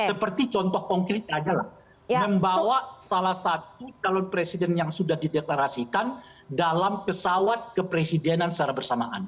seperti contoh konkret adalah membawa salah satu calon presiden yang sudah dideklarasikan dalam pesawat kepresidenan secara bersamaan